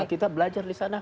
kita belajar di sana